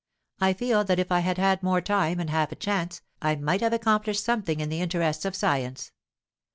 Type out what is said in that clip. I feel that if I had had more time, and half a chance, I might have accomplished something in the interests of science.